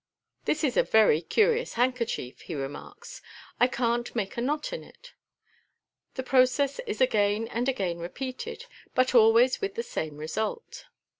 "This is a very curi ous handkerchief, " he remarks ;" I can't make a knot in it." The process is again and again repeated, but always with the same result.